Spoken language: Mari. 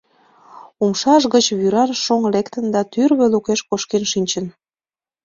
Умшаж гыч вӱран шоҥ лектын да тӱрвӧ лукеш кошкен шинчын.